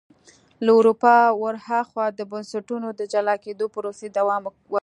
له اروپا ور هاخوا د بنسټونو د جلا کېدو پروسې دوام ورکړ.